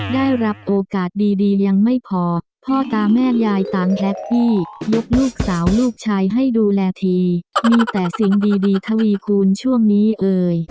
ได้รับโอกาสดีดียังไม่พอพ่อตาแม่ยายต่างและพี่ยกลูกสาวลูกชายให้ดูแลทีมีแต่สิ่งดีทวีคูณช่วงนี้เอ่ย